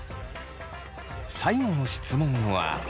最後の質問は。